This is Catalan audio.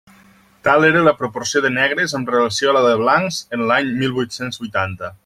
Tal era la proporció de negres amb relació a la de blancs en l'any mil vuit-cents vuitanta.